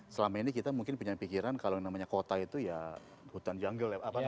selama ini kita mungkin punya pikiran kalau yang namanya kota itu ya hutan jungle